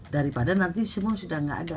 daripada nanti semua sudah tidak ada